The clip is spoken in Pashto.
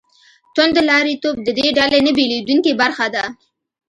توندلاریتوب د دې ډلې نه بېلېدونکې برخه ده.